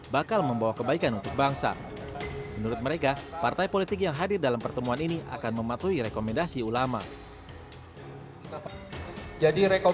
bakal membawa kepadanya ke keadaan yang lebih baik